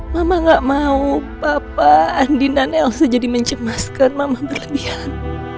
mama gak mau papa andi dan elsa jadi mencemaskan mama berlebihan